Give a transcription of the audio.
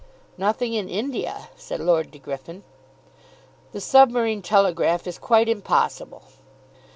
"Nothing in India," said Lord De Griffin. "The submarine telegraph is quite impossible."